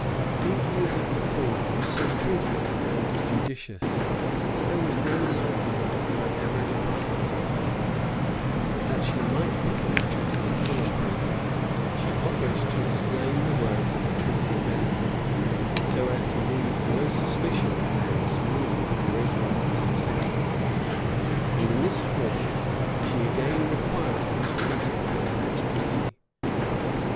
[*] These views of the queen were so prudent and judicious, that there was no likelihood of her ever departing from them: but that she might put the matter to a fuller proof, she offered to explain the words of the treaty of Edinburgh, so as to leave no suspicion of their excluding Mary's right of succession;[] and in this form she again required her to ratify that treaty.